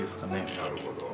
なるほど。